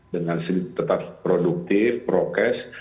dengan tetap produktif prokes